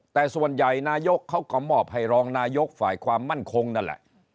แต่ส่วนใหญ่นายกเขาก็มอบให้รองนายกฝ่ายความมั่นคงนั่นแหละ